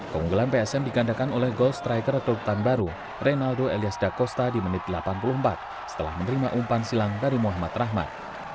keunggulan psm digandakan oleh gol striker baru renaldo elias dakosta di menit delapan puluh empat setelah menerima umpan silang dari muhammad rahmat